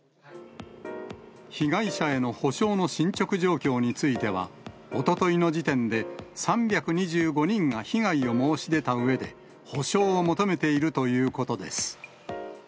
被害者への補償の進捗状況については、おとといの時点で３２５人が被害を申し出たうえで、補償を求めているということです。